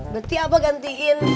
berarti abah gantiin